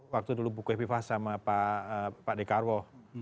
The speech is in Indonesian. waktu dulu bukuh epifah sama pak dekarwo